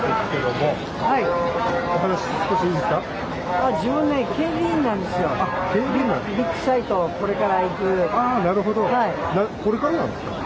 これからなんですか？